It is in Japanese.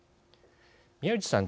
宮内さん